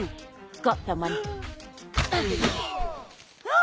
あ！